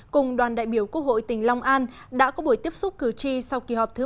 cùng đoàn đại biểu quốc hội tỉnh long an đã có buổi tiếp xúc cử tri sau kỳ họp thứ sáu